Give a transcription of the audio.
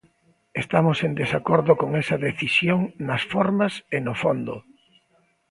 Estamos en desacordo con esa decisión nas formas e no fondo.